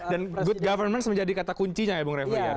dan good government menjadi kata kuncinya ya bung refri